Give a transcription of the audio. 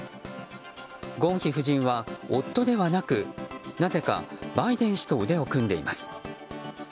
ゴンヒ夫人は、夫ではなくなぜかバイデン氏と腕を組んでいます。